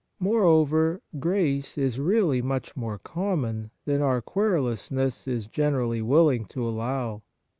jN'Ioreover, grace is really much more common than our querulousness is gene rally willing to allow.